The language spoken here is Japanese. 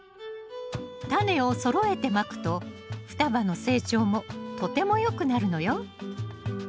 タネをそろえてまくと双葉の成長もとてもよくなるのよ。